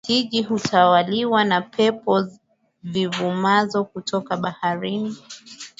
Wakati mwingi Jiji hutawaliwa na pepo zivumazo toka baharini